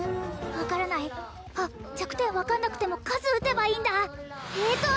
分からないあっ弱点分かんなくても数撃てばいいんだえっと